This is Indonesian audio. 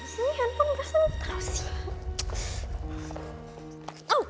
sini han peng rasanya lu tau sih